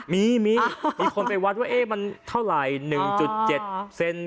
มีมีคนไปวัดว่ามันเท่าไหร่๑๗เซน